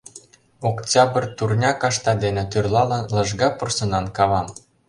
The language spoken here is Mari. Октябрь Турня кашта дене тӱрлалын Лыжга порсынан кавам.